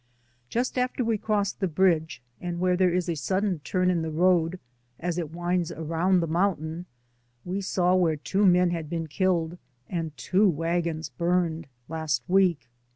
Just after we crossed the bridge, and where there is a sudden turn in the road, as it winds around the mountain, we saw where two men had been killed and two wagons burned last week.